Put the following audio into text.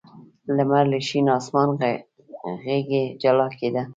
لمر له شین اسمان غېږې جلا کېده.